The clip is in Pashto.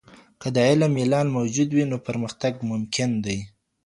که د علم ميلان موجود وي، نو پرمختګ ممکن دی.